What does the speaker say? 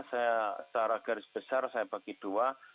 saya secara garis besar saya bagi dua